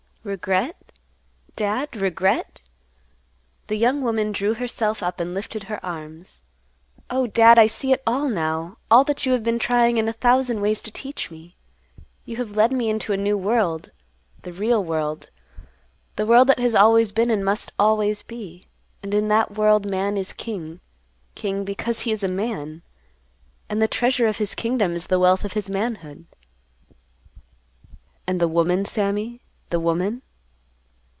"Regret? Dad. Regret?" The young woman drew herself up and lifted her arms. "Oh, Dad, I see it all, now; all that you have been trying in a thousand ways to teach me. You have led me into a new world, the real world, the world that has always been and must always be, and in that world man is king; king because he is a man. And the treasure of his kingdom is the wealth of his manhood." "And the woman, Sammy, the woman?"